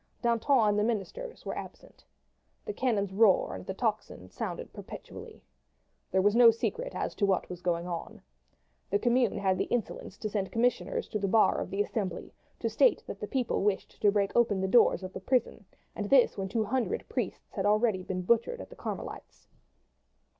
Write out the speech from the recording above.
Danton and the ministers were absent. The cannon's roar and the tocsin sounded perpetually. There was no secret as to what was going on. The Commune had the insolence to send commissioners to the bar of the Assembly to state that the people wished to break open the doors of the prisons, and this when two hundred priests had already been butchered at the Carmelites.